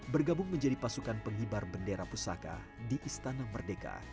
bergabung menjadi pasukan penghibar bendera pusaka di istana merdeka